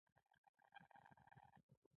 آیا د پښتنو په کلتور کې د څادر کارول څو ګټې نلري؟